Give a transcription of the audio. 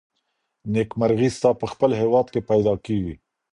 نېکمرغي ستا په خپل هیواد کي پیدا کیږي.